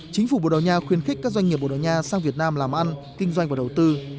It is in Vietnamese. chính phủ bồ đào nha khuyến khích các doanh nghiệp bồ đào nha sang việt nam làm ăn kinh doanh và đầu tư